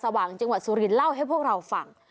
ว่างจังหวัดสุรินเล่าให้พวกเราฟัง